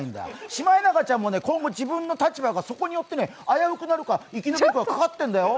シマエナガちゃんも、今後自分の立場が危うくなるか、生き抜くか、かかってるんだよ。